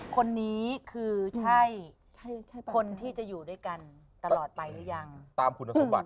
คนนี้คือใช่คนที่จะอยู่ด้วยกันตลอดไปหรือยังตามคุณสมบัติ